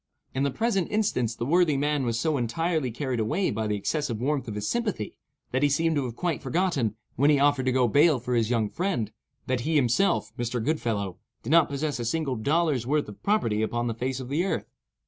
In the present instance the worthy man was so entirely carried away by the excessive warmth of his sympathy, that he seemed to have quite forgotten, when he offered to go bail for his young friend, that he himself (Mr. Goodfellow) did not possess a single dollar's worth of property upon the face of the earth.